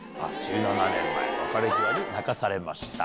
「１７年前別れ際に泣かされました」。